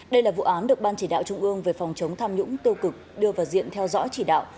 đây là vụ án được ban chỉ đạo trung ương về phòng chống tham nhũng tiêu cực đưa vào diện theo dõi chỉ đạo